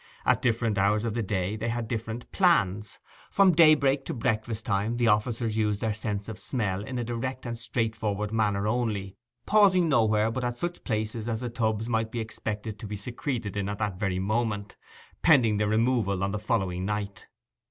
At different hours of the day they had different plans. From daybreak to breakfast time the officers used their sense of smell in a direct and straightforward manner only, pausing nowhere but at such places as the tubs might be supposed to be secreted in at that very moment, pending their removal on the following night.